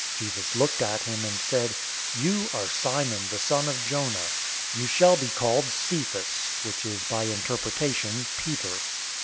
Jesus looked at him, and said, "You are Simon the son of Jonah. You shall be called Cephas" (which is by interpretation, Peter).